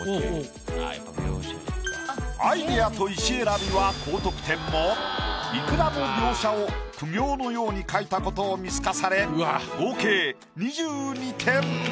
アイディアと石選びは高得点もイクラの描写を苦行のように描いたことを見透かされ合計２２点。